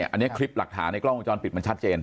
อันนี้คลิปหลักฐานในกล้องวงจรปิดมันชัดเจน